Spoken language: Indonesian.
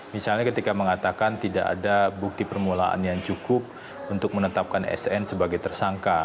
misalnya ketika mengatakan tidak ada bukti permulaan yang cukup untuk menetapkan sn sebagai tersangka